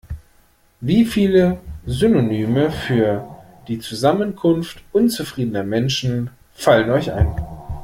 Wie viele Synonyme für die Zusammenkunft unzufriedener Menschen fallen euch ein?